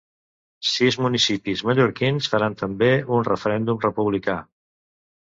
Sis municipis mallorquins faran també un referèndum republicà.